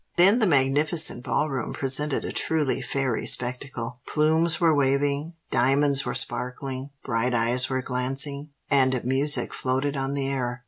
Then the magnificent Ball Room presented a truly fairy spectacle. Plumes were waving, diamonds were sparkling, bright eyes were glancing, and music floated on the air.